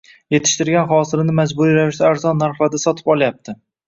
- yetishtirgan hosilini majburiy ravishda arzon narxlarda sotib olyapti;